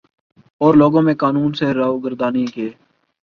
اور لوگوں میں قانون سے روگردانی کے